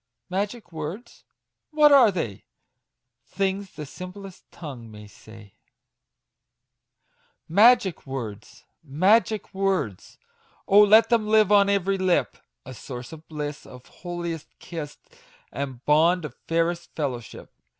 Magic words ! what are they ? Things the simplest tongue may say ! 56 MAGIC WORDS. Magic words ! magic words ! let them live on ev^ry lip, A source of bliss, of holiest kiss, And bond of fairest fellowship.